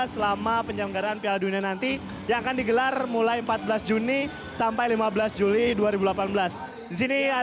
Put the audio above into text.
selama penyelenggaraan piala dunia nanti yang akan digelar mulai empat belas juni sampai lima belas juli dua ribu delapan belas